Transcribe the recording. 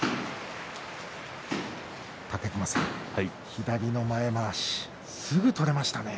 武隈さん、左の前まわしすぐ取れましたね。